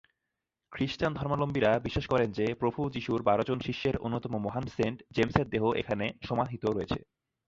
খ্রিস্টান ধর্মাবলম্বীরা বিশ্বাস করেন যে, প্রভু যিশুর বারোজন শিষ্যের অন্যতম মহান সেন্ট জেমসের দেহ এখানে সমাহিত রয়েছে।